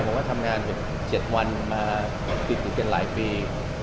ผมก็ทำงาน๗วันมาติดอยู่เป็นหลายปี